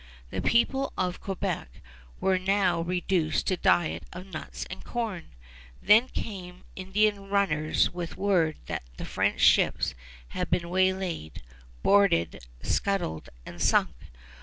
The people of Quebec were now reduced to diet of nuts and corn. Then came Indian runners with word that the French ships had been waylaid, boarded, scuttled, and sunk.